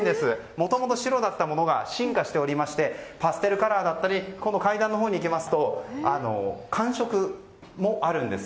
もともと白だったものが進化しておりましてパステルカラーだったり階段のほうに行きますと寒色もあるんです。